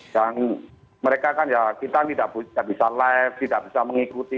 dan mereka kan ya kita nggak bisa live nggak bisa mengikuti